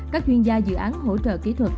các chuyên gia dự án hỗ trợ kỹ thuật